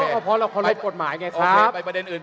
เพราะเราเข้ารพกฎหมายไงครับ